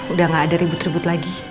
udah gak ada ribut ribut lagi